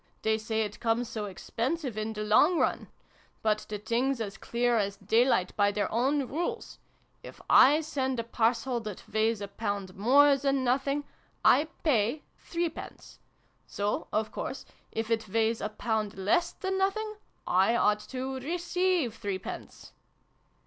They say it comes so expensive, in the long run. But the thing's as clear as daylight, by their own rules. If I send a parcel, that weighs a pound more than nothing, I pay three pence : so, of course, if it weighs a pound less than nothing, I ought to receive three pence."